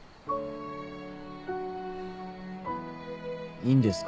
いいんですか？